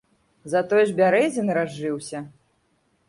Затое ж бярэзіны разжыўся.